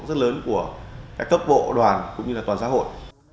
đây là một cuộc rất lớn của cấp bộ đoàn cũng như toàn xã hội